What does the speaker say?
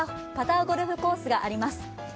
ゴルフコースがあります。